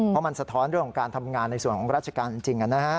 เพราะมันสะท้อนเรื่องของการทำงานในส่วนของราชการจริง